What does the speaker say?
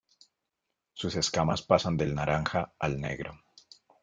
Sus escamas pasan del naranja al negro.